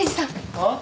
あっ？